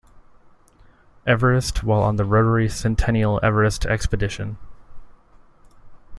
Everest while on the Rotary Centennial Everest Expedition.